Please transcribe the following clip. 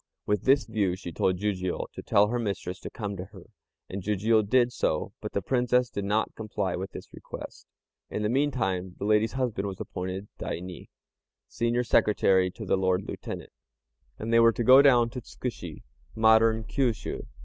With this view she told Jijiu to tell her mistress to come to her, and Jijiu did so; but the Princess did not comply with this request. In the meantime the lady's husband was appointed Daini (Senior Secretary to the Lord Lieutenant), and they were to go down to Tzkushi (modern Kiusiu).